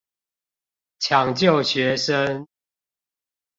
搶救學生